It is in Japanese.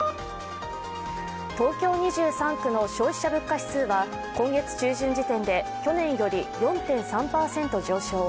東京２３区の消費者物価指数は、今月中旬時点で去年より４．３％上昇